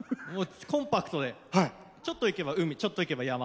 コンパクトで、ちょっと行けば海ちょっと行けば山。